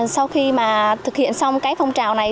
sau khi thực hiện xong phong trào này